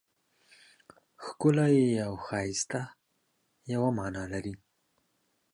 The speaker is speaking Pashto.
ښکلی او ښایسته یوه مانا لري.